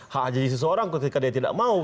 hak aja di seseorang ketika dia tidak mau